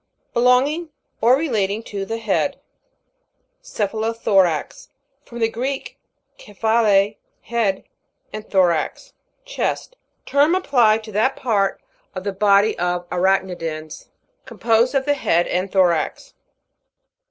Belonging or relating to tlje head. CE'PHALO THORAX. From the Greek, kephale, head, and thorax, chest. Term applied to that part of the 10* body of arachnidans, composed of the head and thorax.